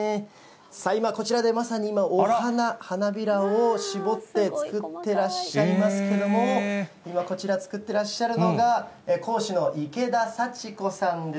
今、こちらでまさに今、お花、花びらを絞って作ってらっしゃいますけども、今、こちら作ってらっしゃるのが、講師の池田幸子さんです。